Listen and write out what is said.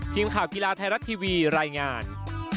ทีมข่าวกีฬาไทยรัฐทีวีรายงาน